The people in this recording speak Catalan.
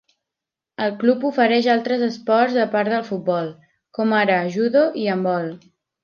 El club ofereix altres esports a part del futbol, com ara judo i handbol.